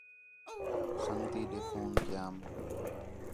سنڳتی ݙے فون کیام